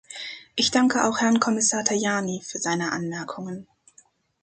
Ich danke auch Herrn Kommissar Tajani für seine Anmerkungen.